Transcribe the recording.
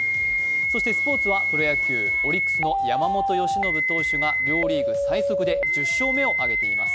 そしてスポーツはプロ野球、オリックスの山本由伸投手が両リーグ最速で１０勝目を挙げています。